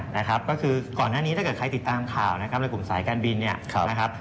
นะครับก็คือก่อนหน้านี้ถ้าเกิดใครติดตามข่าวนะครับในกลุ่มสายการบินเนี่ยนะครับ